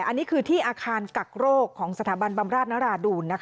อันนี้คือที่อาคารกักโรคของสถาบันบำราชนราดูล